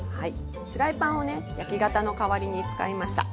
フライパンをね焼き型の代わりに使いました。